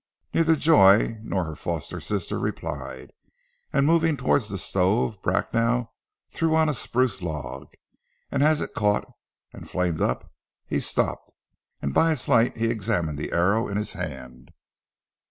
Neither Joy nor her foster sister replied, and moving towards the stove Bracknell threw on a spruce log, and as it caught and flamed up he stopped, and by its light he examined the arrow in his hand.